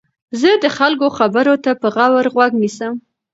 زه د خلکو خبرو ته په غور غوږ نیسم.